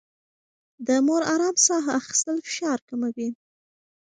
د مور ارام ساه اخيستل فشار کموي.